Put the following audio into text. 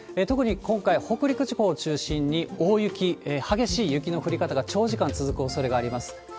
特に今回、北陸地方を中心に大雪、激しい雪の降り方が長時間続くおそれがあります。